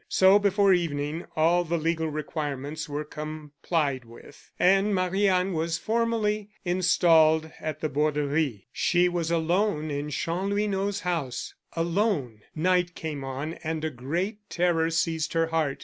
So, before evening, all the legal requirements were complied with, and Marie Anne was formally installed at the Borderie. She was alone in Chanlouineau's house alone! Night came on and a great terror seized her heart.